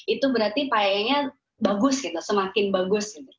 itu berarti paheyanya bagus gitu semakin bagus